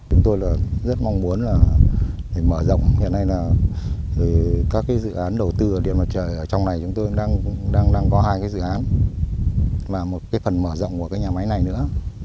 chúng tôi rất mong muốn mở rộng hiện nay các dự án đầu tư điện mặt trời ở trong này chúng tôi đang có hai dự án và một phần mở rộng của nhà máy này nữa